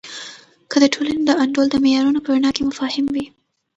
که د ټولنې د انډول د معیارونو په رڼا کې مفاهیم وي.